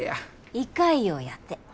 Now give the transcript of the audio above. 胃潰瘍やて。